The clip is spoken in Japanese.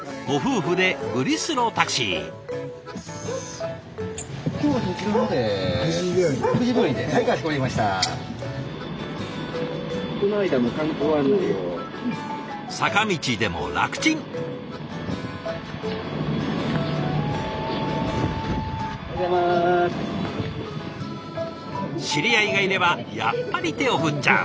知り合いがいればやっぱり手を振っちゃう。